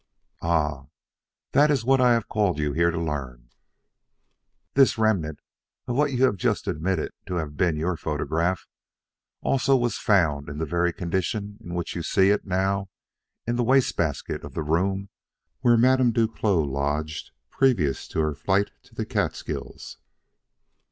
"Ah, that is what I have called you here to learn. This remnant of what you have just admitted to have been your photograph also was found in the very condition in which you see it now, in the wastebasket of the room where Madame Duclos lodged previous to her flight to the Catskills."